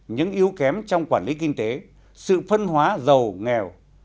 những yếu kém trong quản lý kinh tế sự phân hóa giàu nghèo